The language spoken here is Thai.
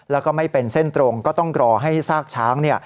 แล้วก็ไม่เป็นเส้นตรงก็ต้องรอให้ซากช้าง